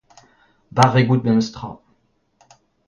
Barvek out memes tra.